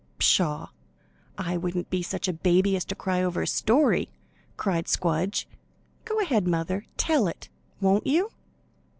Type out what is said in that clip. "Pshaw! I wouldn't be such a baby as to cry over a story," cried Squdge. "Go ahead, mother! Tell it, won't you?"